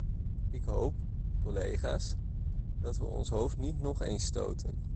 Ik hoop, collega's, dat we ons hoofd niet nog eens stoten.